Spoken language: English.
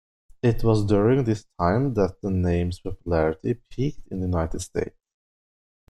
It was during this time that the name's popularity peaked in the United States.